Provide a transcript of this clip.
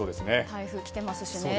台風来てますしね。